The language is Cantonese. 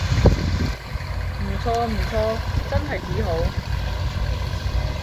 唔錯唔錯，真係幾好